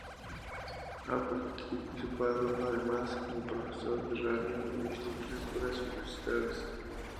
Ha participado, además, como profesor de radio en distintas escuelas y universidades.